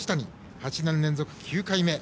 ８年連続９回目。